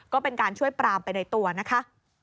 ก็เป็นการช่วยปรามไปในตัวนะคะ